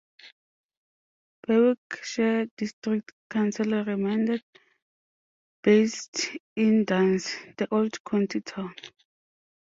Berwickshire District Council remained based in Duns, the old county town.